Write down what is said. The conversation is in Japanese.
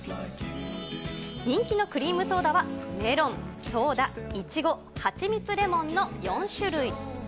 人気のクリームソーダはメロン、ソーダ、イチゴ、はちみつレモンの４種類。